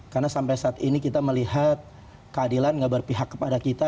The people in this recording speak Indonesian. karena sampai saat ini kita melihat keadilan nggak berpihak kepada kita